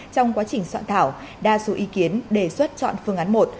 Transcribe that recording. trong quá trình soạn thảo đa số ý kiến đề xuất chọn phương án một